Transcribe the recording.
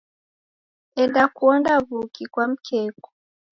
Enda kuonda w'uki kwa mkeku.